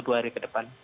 satu dua hari ke depan